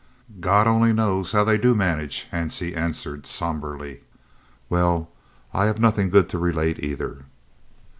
"God only knows how they do manage," Hansie answered sombrely. "Well, I have nothing good to relate either."